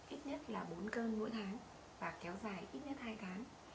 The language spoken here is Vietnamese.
ít nhất là bốn cơn mỗi tháng và kéo dài ít nhất hai tháng